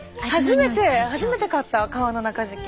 初めて買った革の中敷き。